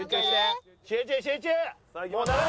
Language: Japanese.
集中集中！